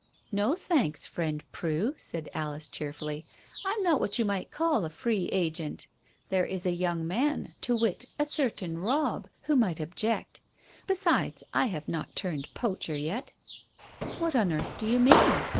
"No, thanks, friend Prue," said Alice cheerfully. "I'm not what you might call a 'free agent.' There is a young man, to wit, a certain Robb, who might object. Besides, I have not turned poacher yet." "What on earth do you mean?"